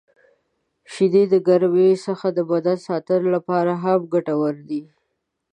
• شیدې د ګرمۍ څخه د بدن ساتنې لپاره هم ګټورې دي.